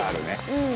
うん！